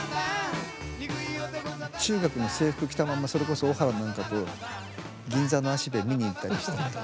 中学の制服着たままそれこそ小原なんかと銀座のＡＣＢ見に行ったりしてね。